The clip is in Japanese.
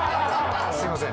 すみません。